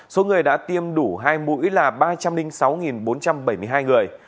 số người đã tiêm đủ hai mũi là ba trăm linh sáu bốn trăm bảy mươi hai người